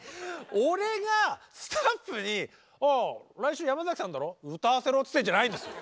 俺がスタッフに「ああ来週山崎さんだろ？歌わせろ」って言ってるんじゃないんですよ。